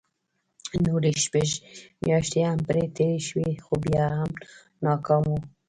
نورې شپږ مياشتې هم پرې تېرې شوې خو بيا هم ناکام وو.